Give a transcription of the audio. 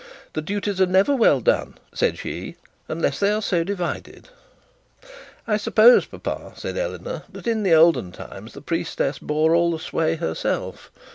'The duties are never well done,' said she, 'unless they are so divided.' 'I suppose, papa,' said Eleanor, 'that in the oldest times the priestess bore all the sway herself.